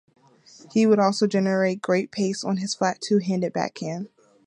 He could also generate great pace on his flat two-handed backhand.